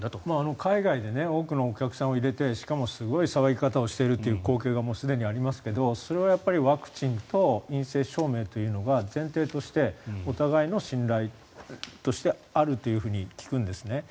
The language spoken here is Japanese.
海外で多くのお客さんを入れてしかもすごい騒ぎ方をしているという光景がすでにありますけどそれはやっぱりワクチンと陰性証明というのが前提としてお互いの信頼としてあるというふうに聞くんですね。